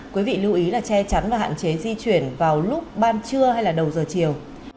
quý vị lưu ý là che chắn và hạn chế di chuyển vào lúc ban trưa hay đầu giờ chiều